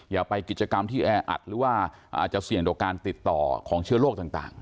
อย่าไปกิจกรรมที่แออัดหรือว่าอาจจะเสี่ยงต่อการติดต่อของเชื้อโรคต่าง